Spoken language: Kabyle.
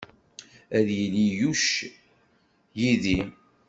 Ad yili Yuc yid-i.